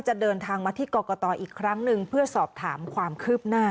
จะเดินทางมาที่กรกตอีกครั้งหนึ่งเพื่อสอบถามความคืบหน้า